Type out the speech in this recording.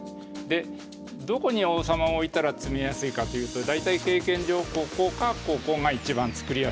でどこに王様を置いたら詰めやすいかというと大体経験上ここかここが一番作りやすいです。